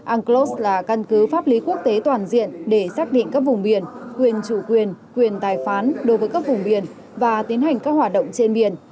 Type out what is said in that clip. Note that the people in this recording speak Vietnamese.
unclos là căn cứ pháp lý quốc tế toàn diện để xác định các vùng biển quyền chủ quyền quyền tài phán đối với các vùng biển và tiến hành các hoạt động trên biển